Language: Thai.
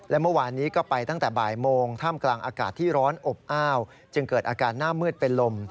และเมื่อวานนี้ก็ไปตั้งแต่บ่ายโมงท่ามกลางอากาศที่ร้อนอบอ้าวจึงเกิดอาการหน้ามืดเป็นลม